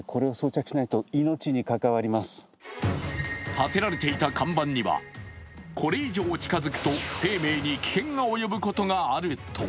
立てられていた看板にはこれいじょう近づくと生命に危険が及ぶことがあると。